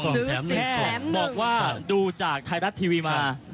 บอกว่าดูจากไทยรัฐทีวีมา